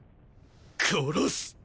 殺す！